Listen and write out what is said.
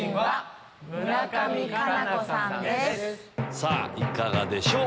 さぁいかがでしょう？